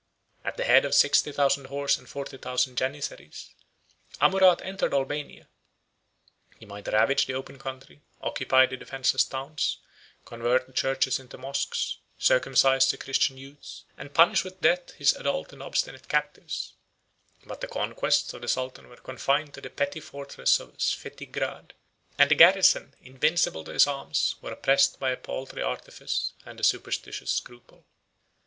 At the head of sixty thousand horse and forty thousand Janizaries, Amurath entered Albania: he might ravage the open country, occupy the defenceless towns, convert the churches into mosques, circumcise the Christian youths, and punish with death his adult and obstinate captives: but the conquests of the sultan were confined to the petty fortress of Sfetigrade; and the garrison, invincible to his arms, was oppressed by a paltry artifice and a superstitious scruple.